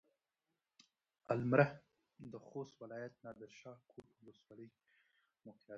المره د خوست ولايت نادرشاه کوټ ولسوالۍ کې موقعيت لري.